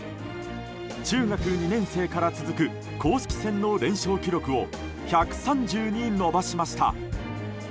中学２年生から続く公式戦の連勝記録を１３０に伸ばしました。